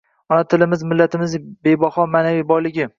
Ona tilimiz millatimizning bebaho maʼnaviy boyligi.